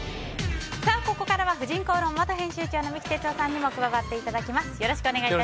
ここからは「婦人公論」元編集長の三木哲男さんにも加わっていただきます。